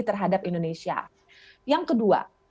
terhadap indonesia yang kedua